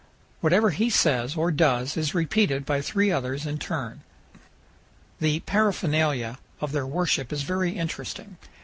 Whatever he says or does is repeated by three others in turn. The paraphernalia of their worship is very interesting.